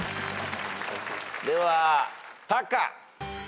ではタカ。